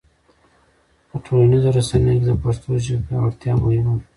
په ټولنیزو رسنیو کې د پښتو ژبې پیاوړتیا مهمه ده.